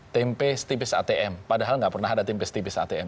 tempe setipis atm padahal nggak pernah ada tempe setipis atm